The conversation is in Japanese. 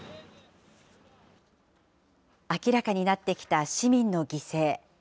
明らかになってきた市民の犠牲。